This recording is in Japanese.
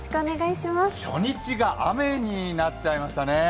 初日が雨になっちゃいましたね。